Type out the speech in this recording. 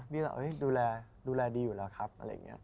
ดูแลดีอยู่แล้วครับอะไรอย่างนี้